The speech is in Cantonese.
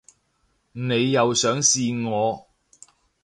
你又想試我